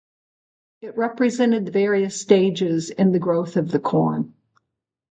It represented the various stages in the growth of the corn.